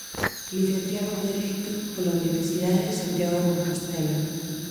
Licenciado en dereito pola Universidade de Santiago de Compostela.